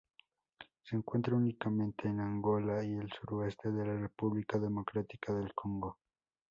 Se encuentra únicamente en Angola y el suroeste de la República Democrática del Congo.